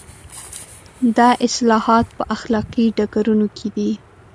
دا اصلاحات په اخلاقي ډګرونو کې دي.